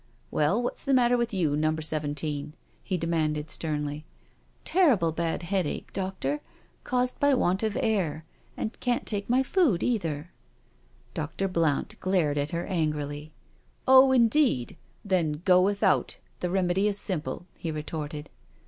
" Well, what's the matter with you. Number Seven teen?" he demanded sternly. " Terrible bad headache, doctor — caused by want of air— and can't take my food either." Dr. Blount glared at her angrily. " Oh, indeed— then go without— the remedy is simple," he retorted.